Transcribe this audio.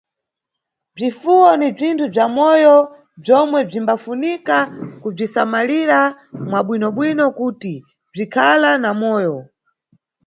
Bzifuwo ni bzinthu bza moyo bzomwe bzimbafunika kubzisamalira mwa bwinobwino kuti bzinkhala na moyo.